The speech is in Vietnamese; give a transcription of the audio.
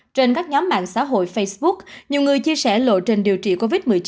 trên các nhóm mạng xã hội facebook nhiều người chia sẻ lộ trình điều trị covid một mươi chín